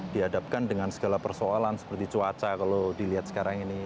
dihadapkan dengan segala persoalan seperti cuaca kalau dilihat sekarang ini